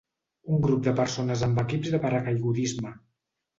Un grup de persones amb equips de paracaigudisme.